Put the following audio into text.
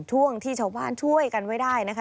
ช่วงที่ชาวบ้านช่วยกันไว้ได้นะคะ